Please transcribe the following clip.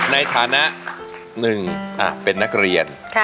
ในฐานะหนึ่งเป็นนักเรียน